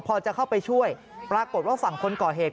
พอจะเข้าไปช่วยปรากฏว่าฝั่งคนก่อเหตุ